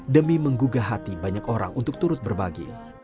demi menggugah hati banyak orang untuk turut berbagi